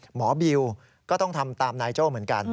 บิวก็ต้องทำตามนายโจ้เหมือนกัน